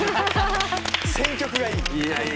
選曲がいい。